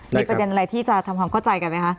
มีประเด็นอะไรที่จะทำความเข้าใจกันไหมคะ